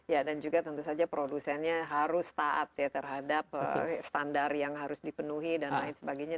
ya dan juga tentu saja produsennya harus taat ya terhadap standar yang harus dipenuhi dan lain sebagainya